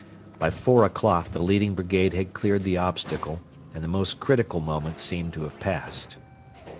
By four o'clock the leading brigade had cleared the obstacle, and the most critical moment seemed to have passed.